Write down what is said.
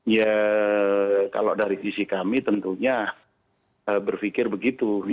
ya kalau dari sisi kami tentunya berpikir begitu